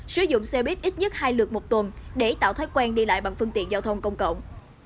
sử dụng xe buýt ít nhất hai lượt một tuần để tạo thói quen đi lại bằng phương tiện giao thông công cộng